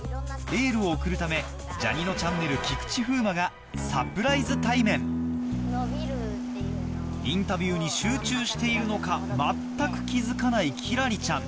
エールを送るためジャにのちゃんねる・菊池風磨がサプライズ対面インタビューに集中しているのか全く気付かない輝星ちゃん